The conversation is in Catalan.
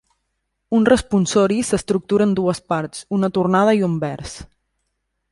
Un responsori s'estructura en dues parts: una tornada i un vers.